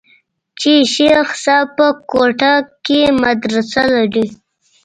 چې شيخ صاحب په کوټه کښې مدرسه لري.